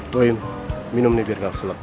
loin minum nih biar nggak keselak